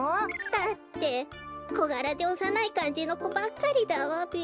だってこがらでおさないかんじのこばっかりだわべ。